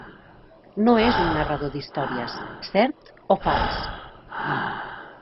No és un narrador d'històries, cert o fals.